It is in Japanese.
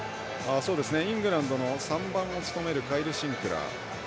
イングランドの３番を務めるカイル・シンクラー。